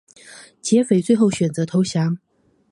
劫匪最后选择投降。